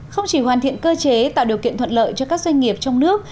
không chỉ hoàn thiện cơ chế tạo điều kiện thuận lợi cho các doanh nghiệp trong nước